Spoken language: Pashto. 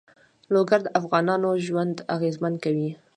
لوگر د افغانانو ژوند اغېزمن کوي.